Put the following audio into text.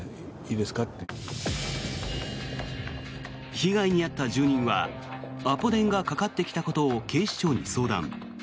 被害に遭った住人はアポ電がかかってきたことを警視庁に相談。